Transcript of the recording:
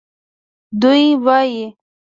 دوی وایي